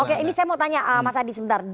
oke ini saya mau tanya mas adi sebentar